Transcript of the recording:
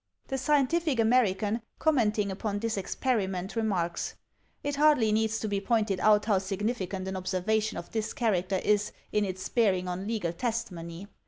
The Scientific American, commenting upon this experi ment, remarks: "It hardly needs to be pointed out how significant an observation of this character is in its bearing on legal testi mony.